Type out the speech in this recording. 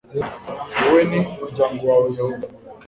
wowe n umuryango wawe yehova